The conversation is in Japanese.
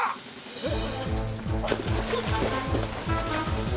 えっ？